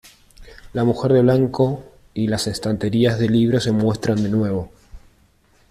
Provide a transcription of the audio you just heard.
La mujer de blanco y las estanterías de libros se muestran de nuevo.